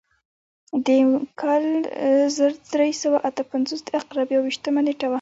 د کال زر درې سوه اته پنځوس د عقرب یو ویشتمه نېټه وه.